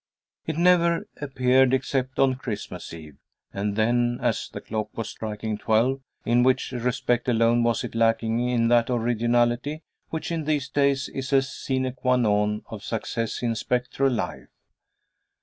It never appeared except on Christmas Eve, and then as the clock was striking twelve, in which respect alone was it lacking in that originality which in these days is a sine qua non of success in spectral life.